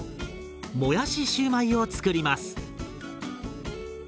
もやしシューマイを作ります。